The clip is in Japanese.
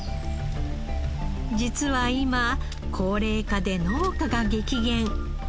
実は今高齢化で農家が激減。